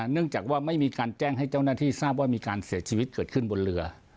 เนื่องจากว่าไม่มีการแจ้งให้เจ้าหน้าที่ทราบว่ามีการเสียชีวิตเกิดขึ้นบนเรือ